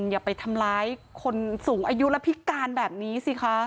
อย่าไปทำร้ายคนสูงอายุและพิการแบบนี้สิคะ